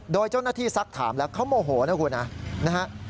โดยเจ้าหน้าที่ซักถามแล้วเขาโมโหนะคุณนะ